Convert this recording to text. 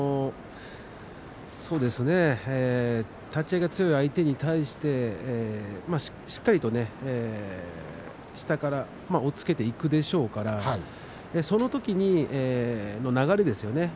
立ち合いが強い相手に対してしっかりと下から押っつけていくでしょうからそのときに流れですよね